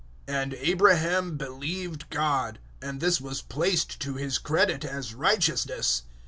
"And Abraham believed God, and this was placed to his credit as righteousness."